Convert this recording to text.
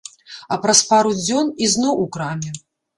А праз пару дзён ізноў у краме.